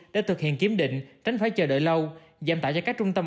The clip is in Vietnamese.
để thực hiện kiểm định tránh phải chờ đợi lâu giảm tải cho các trung tâm